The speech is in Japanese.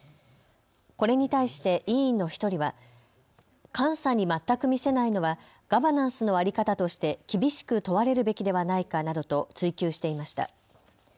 これに対して委員の１人は監査に全く見せないのはガバナンスの在り方として厳しく問われるべきではないかなどと追及していました。